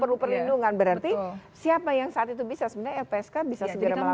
perlu perlindungan berarti siapa yang saat itu bisa sebenarnya lpsk bisa sendiri